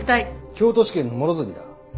京都地検の諸積だ。